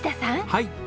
はい。